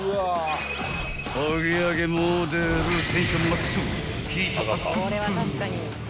［揚げ揚げモデルテンションマックスヒートアップップ］